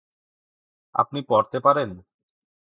আপনি পড়তে পারেন?